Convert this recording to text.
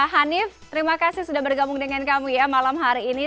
hanif terima kasih sudah bergabung dengan kami ya malam hari ini